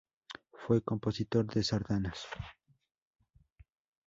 Fue compositor de sardanas.